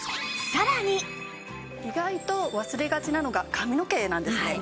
意外と忘れがちなのが髪の毛なんですね。